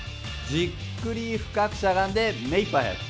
じっくり深くしゃがんで目いっぱい速く。